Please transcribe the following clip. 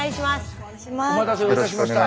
お待たせをいたしました。